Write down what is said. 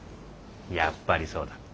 やっぱりそうだ。